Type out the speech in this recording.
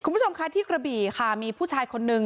คุณผู้ชมคะที่กระบี่ค่ะมีผู้ชายคนนึง